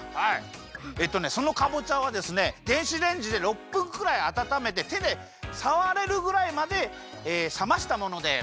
えっとねそのかぼちゃはですね電子レンジで６分くらいあたためててでさわれるぐらいまでさましたものです。